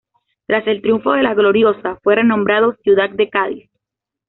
Tras el triunfo de La gloriosa, fue renombrado "Ciudad de Cádiz".